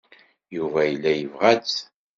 Yuba yella yebɣa-tt.